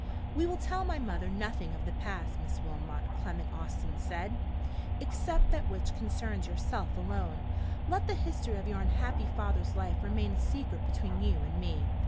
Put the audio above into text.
"We will tell my mother nothing of the past, Miss Wilmot," Clement Austin said, "except that which concerns yourself alone. Let the history of your unhappy father's life remain a secret between you and me.